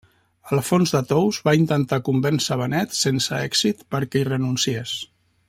Alfons de Tous va intentar convèncer Benet, sense èxit, perquè hi renunciés.